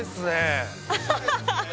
アハハハハ！